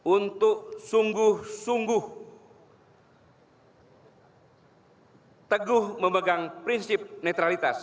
untuk sungguh sungguh teguh memegang prinsip netralitas